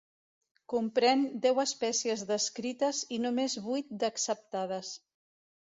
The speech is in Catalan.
Comprèn deu espècies descrites i només vuit d'acceptades.